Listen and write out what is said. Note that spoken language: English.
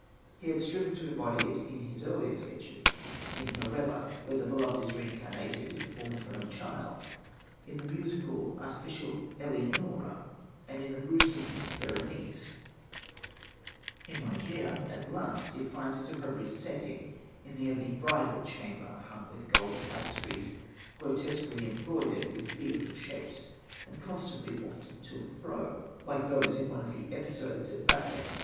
He had striven to embody it in his earlier sketches, in Morella, where the beloved is reincarnated in the form of her own child, in the musical, artificial Eleonora and in the gruesome Berenice. In Ligeia, at last, it finds its appropriate setting in the ebony bridal chamber, hung with gold tapestries grotesquely embroidered with fearful shapes and constantly wafted to and fro, like those in one of the Episodes of Vathek.